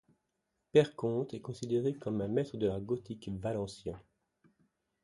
Pere Compte est considéré comme un maître de l'art gothique valencien.